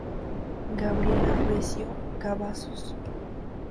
Gabriela Recio Cavazos.